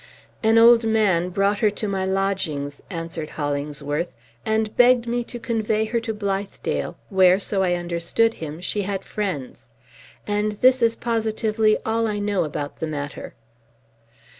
"An old man brought her to my lodgings," answered Hollingsworth, "and begged me to convey her to Blithedale, where so I understood him she had friends; and this is positively all I know about the matter."